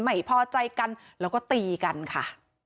ไม่พอใจกันแล้วก็ตีกันค่ะ